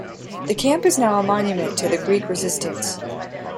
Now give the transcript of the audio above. The camp is now a monument to the Greek Resistance.